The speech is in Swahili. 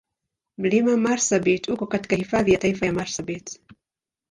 Mlima Marsabit uko katika Hifadhi ya Taifa ya Marsabit.